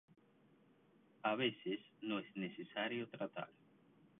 A veces no es necesario tratar.